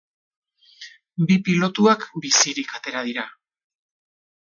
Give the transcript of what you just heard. Bi pilotuak bizirik atera dira.